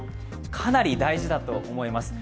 かなり大事だと思います。